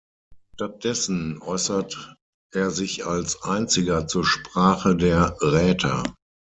Stattdessen äußert er sich als einziger zur "Sprache" der Räter.